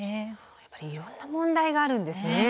やっぱりいろんな問題があるんですね。